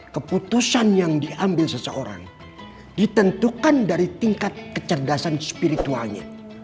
keputusan yang diambil seseorang ditentukan dari tingkat kecerdasan spiritualnya